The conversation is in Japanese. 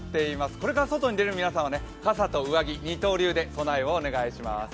これから外に出る皆さんは傘と上着の二刀流で備えをお願いします。